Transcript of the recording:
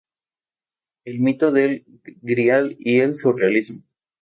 El mito del Grial y el surrealismo".